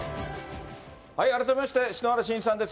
改めまして篠原信一さんです。